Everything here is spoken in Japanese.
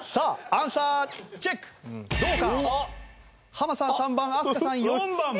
ハマさん３番飛鳥さん４番。